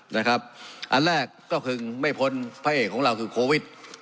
อันแรกก็คือไม่พ้นพระเอกของเราคือโควิด